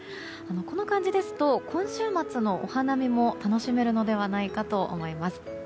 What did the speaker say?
この感じですと今週末のお花見も楽しめるのではないかと思います。